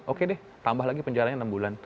oke deh tambah lagi penjaranya enam bulan